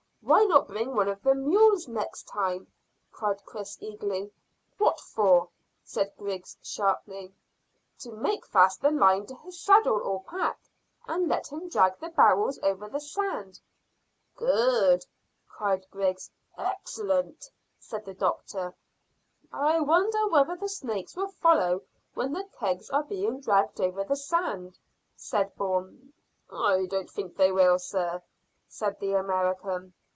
"Why not bring one of the mules next time?" cried Chris eagerly. "What for?" said Griggs sharply. "To make fast the line to his saddle or pack, and let him drag the barrels over the sand." "Good!" cried Griggs. "Excellent!" said the doctor. "I wonder whether the snakes will follow when the kegs are being dragged over the sand?" said Bourne. "I don't think they will, sir," said the American.